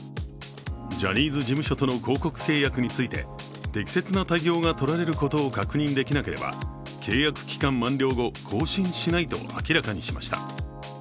ジャニーズ事務所との広告契約について適切な対応がとられることが確認できなければ、契約期間満了後、更新しないと明らかにしました。